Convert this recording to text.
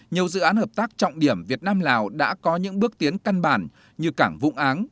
nhiều dự án hợp tác trọng điểm việt nam lào đã có những bước tiến căn bản như cảng vũng áng